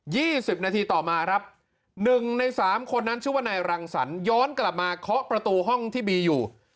สิบนาทีต่อมาครับหนึ่งในสามคนนั้นชื่อว่านายรังสรรคย้อนกลับมาเคาะประตูห้องที่บีอยู่